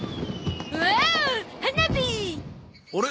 あれ？